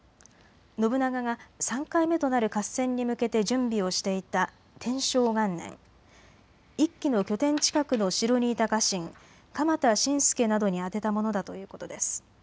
信長が３回目となる合戦に向けて準備をしていた天正元年、一揆の拠点近くの城にいた家臣、鎌田新介などに充てたものだということです。